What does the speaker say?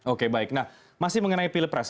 oke baik nah masih mengenai pilpres